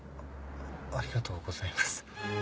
ありがとうございます。